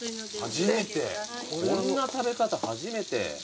こんな食べ方初めて。